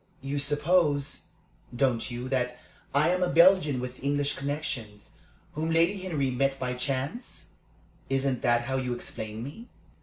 You suppose, don't you, that I am a Belgian with English connections, whom Lady Henry met by chance? Isn't that how you explain me?"